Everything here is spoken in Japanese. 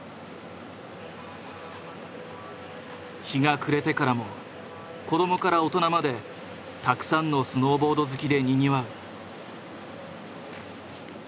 日が暮れてからも子どもから大人までたくさんのスノーボード好きでにぎわう。